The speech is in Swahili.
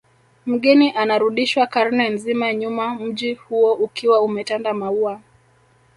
Mgeni anarudishwa karne nzima nyuma mji huo ukiwa umetanda maua